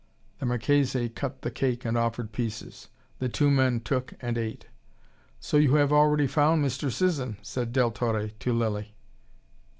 The Marchese cut the cake, and offered pieces. The two men took and ate. "So you have already found Mr. Sisson!" said Del Torre to Lilly.